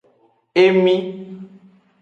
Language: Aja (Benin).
Emi.